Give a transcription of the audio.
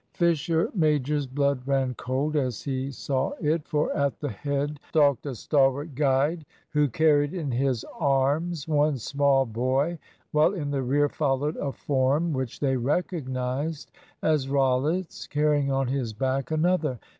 Fisher major's blood ran cold as he saw it. For at the head stalked a stalwart guide, who carried in his arms one small boy, while in the rear followed a form which they recognised as Rollitt's carrying on his back another.